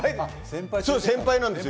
先輩なんですよ。